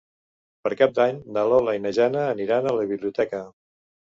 Per Cap d'Any na Lola i na Jana aniran a la biblioteca.